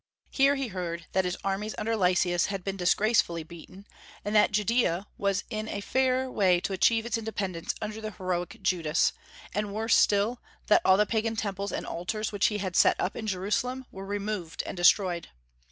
Here he heard that his armies under Lysias had been disgracefully beaten, and that Judaea was in a fair way to achieve its independence under the heroic Judas; and, worse still, that all the pagan temples and altars which he had set up in Jerusalem were removed and destroyed.